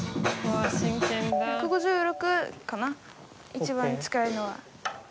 一番近いのは。ＯＫ。